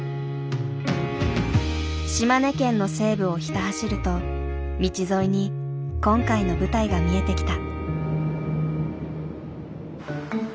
島根県の西部をひた走ると道沿いに今回の舞台が見えてきた。